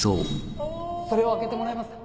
それを開けてもらえますか？